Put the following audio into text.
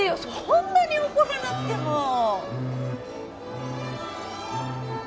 そんなに怒らなくても。